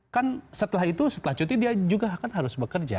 kan setelah itu setelah cuti dia juga kan harus bekerja